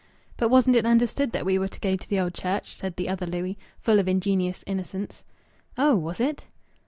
"But wasn't it understood that we were to go to the Old Church?" said the other Louis, full of ingenious innocence. "Oh! Was it?"